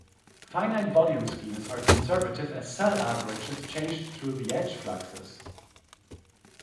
Finite volume schemes are conservative as cell averages change through the edge fluxes.